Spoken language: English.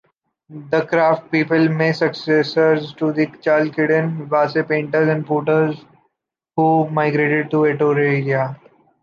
The craftspeople may be successors to the Chalkidian vase painters and potters who migrated to Etruria.